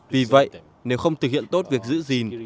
vì vậy nếu không thực hiện tốt việc giữ gìn